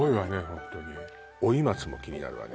ホントに老松も気になるわね